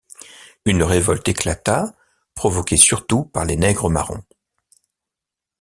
Une révolte éclata, provoquée surtout par les nègres marrons.